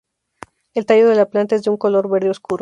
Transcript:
El tallo de la planta es de un color verde oscuro.